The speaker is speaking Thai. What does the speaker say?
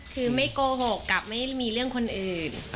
คือไม่โกหกกับไม่มีเรื่องคนอื่น